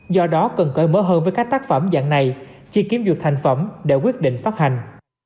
do đó cần cởi mở hơn với các tác phẩm dạng này khi kiếm dược thành phẩm để quyết định phát hành